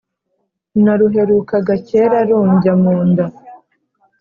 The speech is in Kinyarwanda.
Naruherukaga kera rundya munda